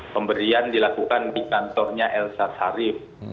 pemberian dilakukan di kantornya elsa sharif